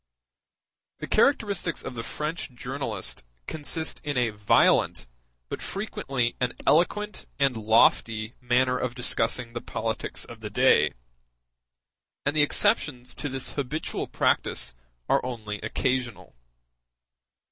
The characteristics of the French journalist consist in a violent, but frequently an eloquent and lofty, manner of discussing the politics of the day; and the exceptions to this habitual practice are only occasional.